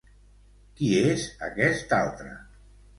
Qui és aquest altre?